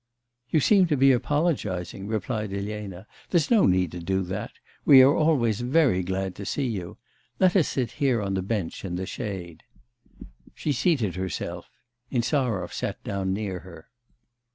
'You seem to be apologising,' replied Elena. 'There's no need to do that. We are always very glad to see you. Let us sit here on the bench in the shade.' She seated herself. Insarov sat down near her.